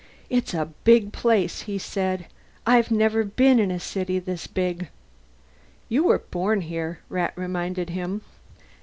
"It's a big place," he said. "I've never been in a city this big." "You were born here," Rat reminded him.